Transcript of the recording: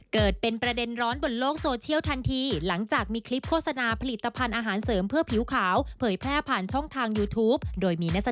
เกิดเป็นประเด็นร้อนบนโลกโซเชียลทันที